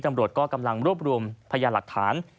ตำรวจก็กำลังรวบรวมพยานหลักฐาน